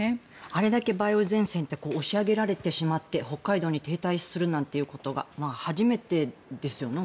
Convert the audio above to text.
あれだけ梅雨前線って押し上げられてしまって北海道に停滞するなんていうことが初めてですよね。